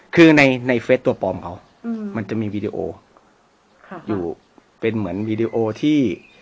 คือในในเฟสตัวปลอมเขามันจะมีวีดีโออยู่เป็นเหมือนวีดีโอที่